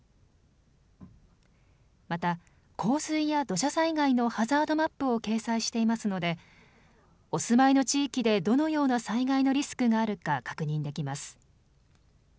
また、洪水や土砂災害のハザードマップを掲載していますので、お住まいの地域でどのような災害のリスクがあるか確認できます。